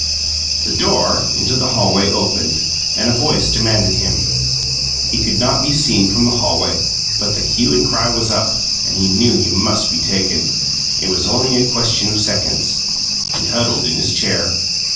The door into the hallway opened, and a voice demanded him. He could not be seen from the hallway, but the hue and the cry was up; and he knew he must be taken. It was only a question of seconds. He huddled in his chair.